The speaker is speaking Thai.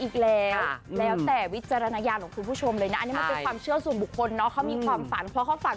แต่วิจารณญาณของคุณผู้ชมเลยนะไม่เชื่อส่วนบุคคลเขามีความฝันเพราะอยากฝัน